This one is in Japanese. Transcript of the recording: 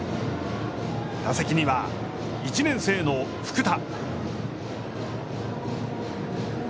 打席には１年生の福田。